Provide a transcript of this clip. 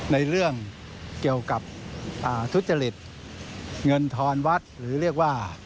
ในเรื่องเกี่ยวกับทุจริตเงินทอนวัดหรือเรียกว่า